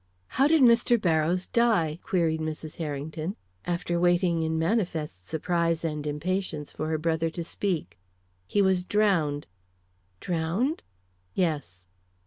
"How did Mr. Barrows die?" queried Mrs. Harrington, after waiting in manifest surprise and impatience for her brother to speak. "He was drowned." "Drowned?" "Yes."